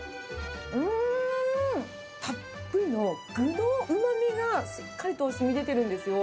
うーん！たっぷりの具のうまみが、しっかりとしみでてるんですよ。